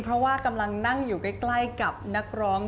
เพราะว่ากำลังนั่งอยู่ใกล้กับนักร้อง